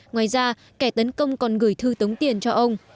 ngoài ra kẻ tấn công còn gửi thư tống tiền cho ông